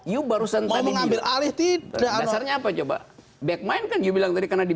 you barusan mau mengambil alih tidak ada nyapa coba backmind kan juga bilang dari karena di